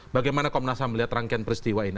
bagaimana komnasah melihat rangkaian peristiwa ini